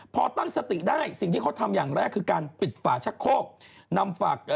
พอตั้งสติได้สิ่งที่เขาทำอย่างแรกคือการปิดฝาชักโคกนำฝาก